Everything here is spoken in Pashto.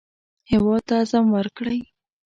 هېواد ته عزم ورکړئ